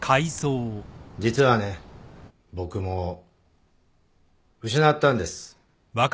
実はね僕も失ったんです